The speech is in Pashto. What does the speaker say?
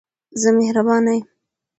زه مهربانه یم.